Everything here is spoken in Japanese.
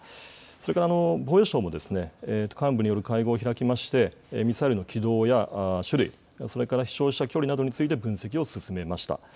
それから防衛省も、幹部による会合を開きまして、ミサイルの軌道や種類、それから飛しょうした距離などについて分析を進めました。